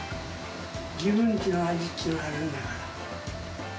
自分ちの味っつうものがあるんだから。